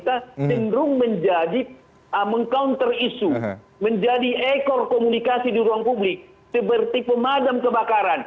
seharusnya pemerintah sendiri zikir mampir pemerintah tendering menjadi menjawab isu menjadi ekor komunikasi di ruang publik seperti kebakaran